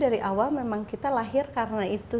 dari awal memang kita lahir karena itu